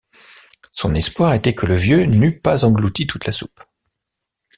Son espoir était que le vieux n’eût pas englouti toute la soupe.